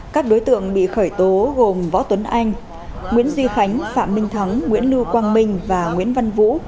các đối tượng bị khởi tố gồm võ tuấn anh nguyễn duy khánh phạm minh thắng nguyễn lưu quang minh và nguyễn văn vũ